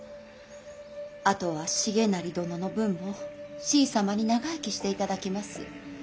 あとは重成殿の分もしい様に長生きしていただきます。